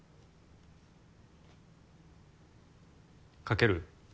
かける？